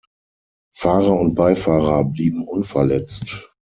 Fahrer und Beifahrer blieben unverletzt.